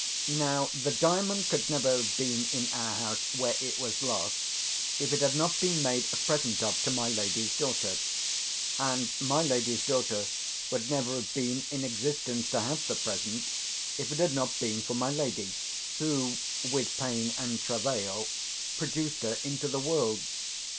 Now the Diamond could never have been in our house, where it was lost, if it had not been made a present of to my lady's daughter; and my lady's daughter would never have been in existence to have the present, if it had not been for my lady who (with pain and travail) produced her into the world.